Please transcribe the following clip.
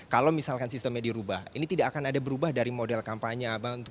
kalau misalkan sistemnya dirubah ini tidak akan ada berubah dari model kampanye